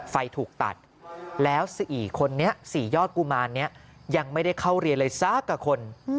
ไฟถูกตัดแล้วสี่ยอดกุมารยังไม่ได้เข้าเรียนเลยซากกับคน